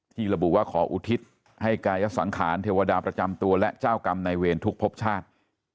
ระบุว่าขออุทิศให้กายสังขารเทวดาประจำตัวและเจ้ากรรมในเวรทุกพบชาติ